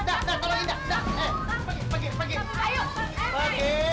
ayo pergi pergi